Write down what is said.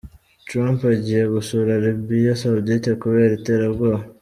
Trump agiye gusura Arabia Saudite kubera iterabwoba.